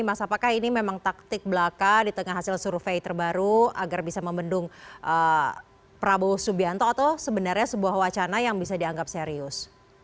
mas apakah ini memang taktik belaka di tengah hasil survei terbaru agar bisa membendung prabowo subianto atau sebenarnya sebuah wacana yang bisa dianggap serius